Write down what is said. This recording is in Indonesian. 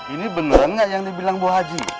ini bener nggak yang dibilang bu haji